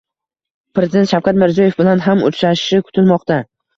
Prezident Shavkat Mirziyoyev bilan ham uchrashishi kutilmoqda